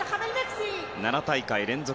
７大会連続